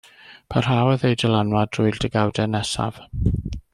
Parhaodd ei dylanwad drwy'r degawdau nesaf.